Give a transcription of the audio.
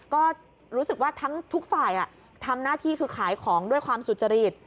ก็รู้สึกว่าทั้งทุกฝ่ายทำหน้าที่คือขายของด้วยความสุจริต